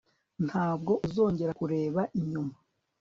ntabwo uzongera kureba inyuma